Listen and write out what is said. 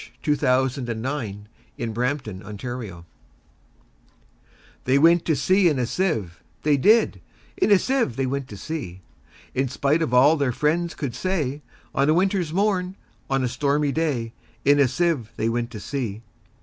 1895. Edward Lear 1812–88 The Jumblies Lear Edw THEY went to sea in a sieve, they did; In a sieve they went to sea; In spite of all their friends could say, On a winter's morn, on a stormy day, In a sieve they went to sea.